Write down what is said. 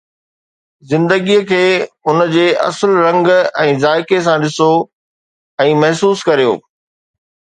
زندگي کي ان جي اصل رنگ ۽ ذائقي سان ڏسو ۽ محسوس ڪريو.